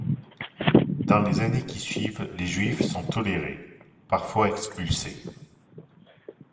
Dans les années qui suivent, les Juifs sont tolérés, parfois expulsés.